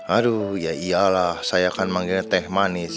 aduh ya iyalah saya akan manggilnya teh manis